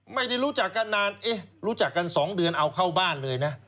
ไม่ได้รู้จักกันนานเอ๊ะรู้จักกัน๒เดือนเอาเข้าบ้านเลยนะ